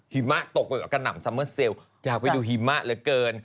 หิมะตกกระหน่ำซัมเมอร์เซลลอยากไปดูหิมะเหลือเกิน